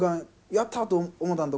「やった！」と思うたんと